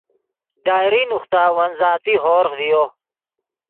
ڈائری نوختا ون ذاتی ہورغ ڤیو